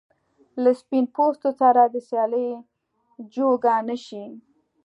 له سپین پوستو سره د سیالۍ جوګه نه شي.